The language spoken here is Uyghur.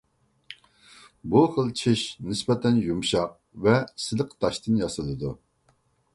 بۇ خىل چىش نىسبەتەن يۇمشاق ۋە سىلىق تاشتىن ياسىلىدۇ.